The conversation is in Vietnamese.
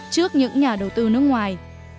trước những nhà đầu tư nước ngoài